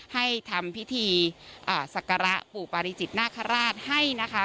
ให้ทำพิธีศักระปู่ปาริจิตนาคาราชให้นะคะ